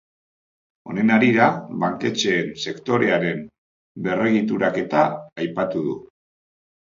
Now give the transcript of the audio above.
Honen harira, banketxeen sektorearen berregituraketa aipatu du.